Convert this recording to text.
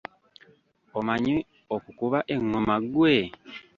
Omanyi okukuba engoma gwe?